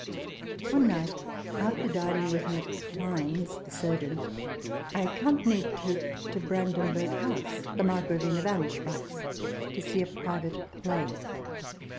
One night, after dining with him at Cline's (the surgeon), I accompanied Tooke to Brandenburgh House (the Margravine of Anspach's) to see a private play.